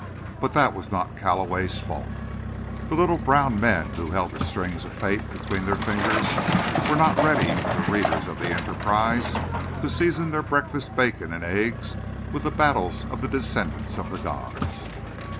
But that was not Calloway's fault. The little brown men who held the strings of Fate between their fingers were not ready for the readers of the Enterprise to season their breakfast bacon and eggs with the battles of the descendants of the gods.